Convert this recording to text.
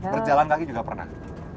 berjalan kaki juga pernah